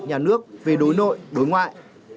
nhà nước về đối nội đối ngoại